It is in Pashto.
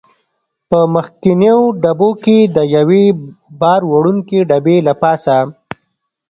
په مخکنیو ډبو کې د یوې بار وړونکې ډبې له پاسه.